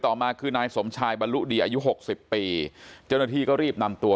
มาคือนายสมชายบรรลุดีอายุหกสิบปีเจ้าหน้าที่ก็รีบนำตัว